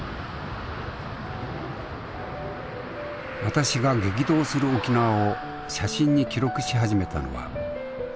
私が激動する沖縄を写真に記録し始めたのは１９６８年秋。